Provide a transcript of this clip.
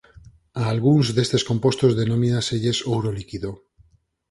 A algúns destes compostos denomínaselles "ouro líquido".